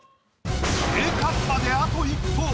栄冠まであと一歩！